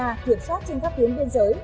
mạc kiểm soát trên các tuyến biên giới